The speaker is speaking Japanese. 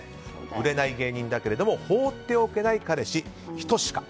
売れない芸人だけれども放っておけない彼氏・仁か。